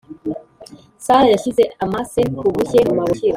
sara yashyize amase ku bushye hanyuma burakira.